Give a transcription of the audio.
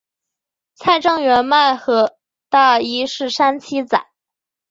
蔡正元骂何大一是三七仔。